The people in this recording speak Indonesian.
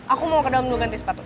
aku mau ke dalam dua ganti sepatu